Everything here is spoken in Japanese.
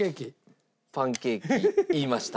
パンケーキ言いました。